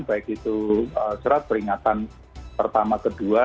baik itu surat peringatan pertama kedua